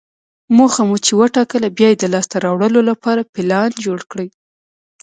موخه مو چې وټاکله، بیا یې د لاسته راوړلو لپاره پلان جوړ کړئ.